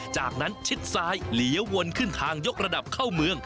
จากนั้นชิดซ้ายเหลียววนขึ้นทางยกระดับเข้าเมือง